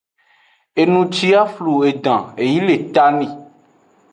Enu ci yi a flu edan, e yi le eta nii.